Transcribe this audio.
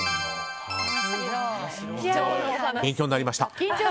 勉強になりました。